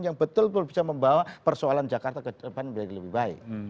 yang betul betul bisa membawa persoalan jakarta ke depan menjadi lebih baik